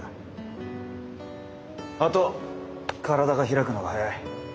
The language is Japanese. あと体が開くのが早い。